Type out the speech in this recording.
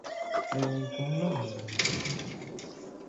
焦糖玛琪雅朵是一种加入焦糖的玛琪雅朵咖啡。